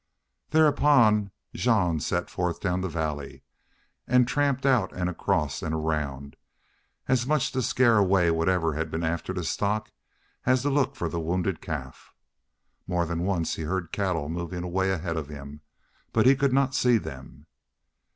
Thereupon Jean set forth down the valley, and tramped out and across and around, as much to scare away whatever had been after the stock as to look for the wounded calf. More than once he heard cattle moving away ahead of him, but he could not see them.